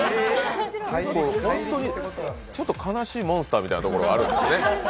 へえ、ちょっと悲しいモンスターみたいなところがあるのね。